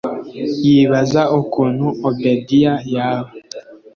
yibaza ukuntu obedia yaba